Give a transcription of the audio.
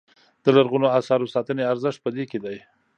د لرغونو اثارو ساتنې ارزښت په دې کې دی.